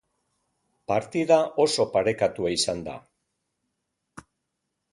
Partida oso parekatua izan da.